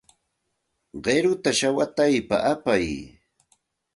Qiruta shawataypa apay.